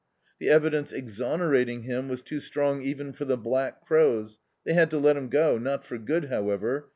The evidence exonerating him was too strong even for the black crows; they had to let him go not for good, however.